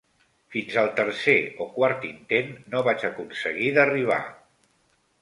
Fins al tercer o quart intent no vaig aconseguir d'arribar